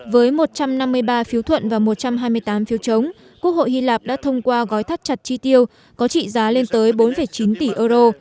với một trăm năm mươi ba phiếu thuận và một trăm hai mươi tám phiếu chống quốc hội hy lạp đã thông qua gói thắt chặt chi tiêu có trị giá lên tới bốn chín tỷ euro